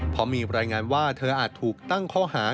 เพราะมีรายงานว่าเธออาจถูกตั้งข้อหา